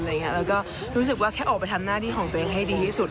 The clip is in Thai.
แล้วก็รู้สึกว่าแค่ออกไปทำหน้าที่ของตัวเองให้ดีที่สุด